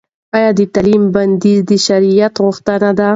ایا د تعلیم بندیز د شرعیت غوښتنه ده؟